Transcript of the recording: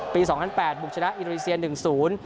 ปี๒๐๐๘บุกชนะอินโดรีเซียน๑๐